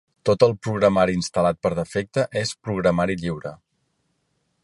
Tot el programari instal·lat per defecte és programari lliure.